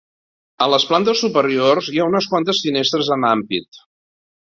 A les plantes superiors, hi ha unes quantes finestres amb ampit.